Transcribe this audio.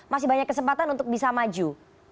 masih banyak kesempatan untuk bisa maju